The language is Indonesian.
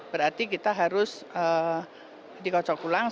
berarti kita harus dikocok ulang